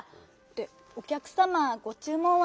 でおきゃくさまごちゅう文は？